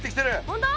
本当？